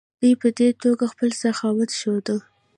دوی په دې توګه خپل سخاوت ښوده.